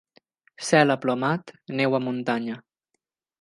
Cel aplomat, neu a muntanya.